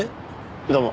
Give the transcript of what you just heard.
どうも。